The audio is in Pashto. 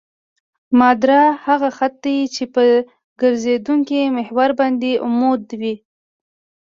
مدار هغه خط دی چې په ګرځېدونکي محور باندې عمود وي